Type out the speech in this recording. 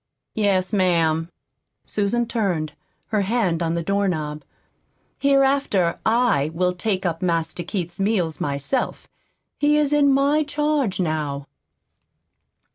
"Yes, ma'am." Susan turned, her hand on the doorknob. "Hereafter I will take up Master Keith's meals myself. He is in my charge now."